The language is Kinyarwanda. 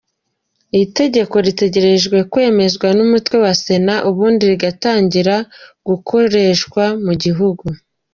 Itegeko ritegereje gkwemezwa n’umutwe wa Sena ubundi rigatangira gukoreshwa mu gihugu.